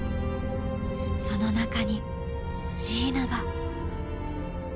その中にジーナが。